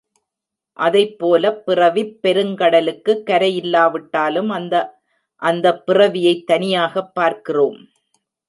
அதைப் போலப் பிறவிப் பெருங்கடலுக்குக் கரை இல்லாவிட்டாலும் அந்த அந்தப் பிறவியைத் தனியாகப் பார்க்கிறோம்.